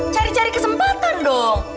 cari cari kesempatan dong